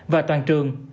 và toàn trường